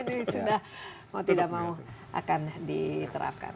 ini sudah mau tidak mau akan diterapkan